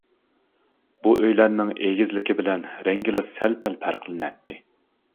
بۇ ئۆيلەرنىڭ ئېگىزلىكى بىلەن رەڭگىلا سەل-پەل پەرقلىنەتتى.